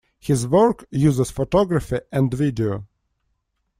His work uses photography and video.